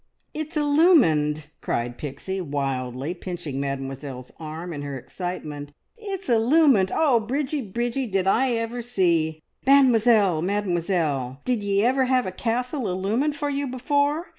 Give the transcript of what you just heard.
"It's illumined!" cried Pixie wildly, pinching Mademoiselle's arm in her excitement. "It's illumined! Oh, Bridgie, Bridgie, did I ever see! Mademoiselle, Mademoiselle, did ye ever have a castle illumined for you before?